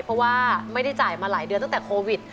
เพราะว่าไม่ได้จ่ายมาหลายเดือนตั้งแต่โควิด